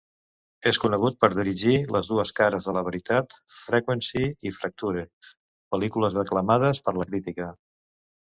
És conegut per dirigir "Les dues cares de la veritat", "Frequency" i "Fracture", pel·lícules aclamades per la crítica.